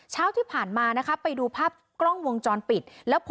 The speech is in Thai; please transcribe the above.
เช้าที่ผ่านมานะคะไปดูภาพกล้องวงจรปิดแล้ว